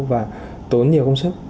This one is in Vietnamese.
và tốn nhiều công sức